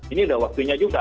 ini udah waktunya juga